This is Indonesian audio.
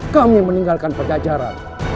kami meninggalkan pajajara